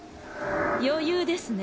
余裕ですね